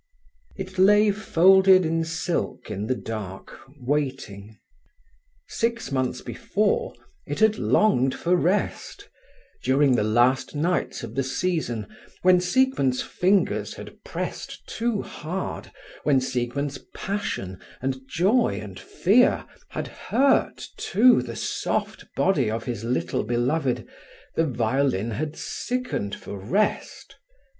It lay folded in silk in the dark, waiting. Six months before it had longed for rest; during the last nights of the season, when Siegmund's fingers had pressed too hard, when Siegmund's passion, and joy, and fear had hurt, too, the soft body of his little beloved, the violin had sickened for rest.